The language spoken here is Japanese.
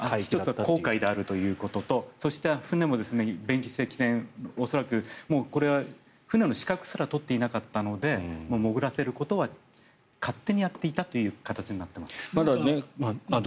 公海であるということと船も恐らく船の資格すら取っていなかったので潜らせることは勝手にやっていたという形になっています。